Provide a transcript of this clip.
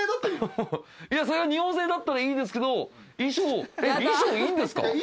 それが日本製だったらいいですけど衣装いいんですか？